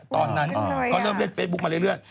ตอนนั้นก็เริ่มเล่นเฟซบุ๊กมาเรื่อย